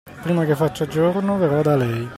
Prima che faccia giorno, verrò da lei.